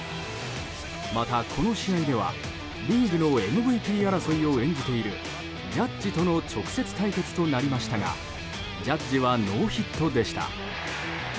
また、この試合ではリーグのＭＶＰ争いを演じているジャッジとの直接対決となりましたがジャッジはノーヒットでした。